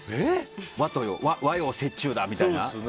和洋折衷だみたいな。